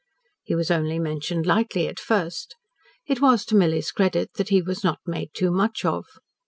He was only mentioned lightly at first. It was to Milly's credit that he was not made too much of.